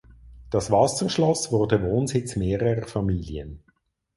Das Wasserschloss wurde Wohnsitz mehrerer Familien.